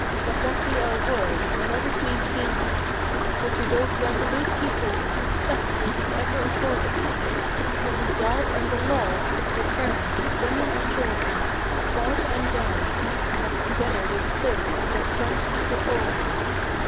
let that be our word, and let us maintain it! For to those resolute peoples respect will be ever accorded, Who for God and the laws, for parents, women and children, Fought and died, as together they stood with their front to the foeman.